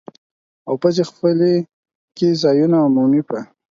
او پزې خپلې کې ځایونو عمومي په